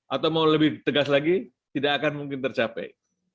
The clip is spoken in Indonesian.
atau mau lebih tegas lagi tidak akan mungkin tercapai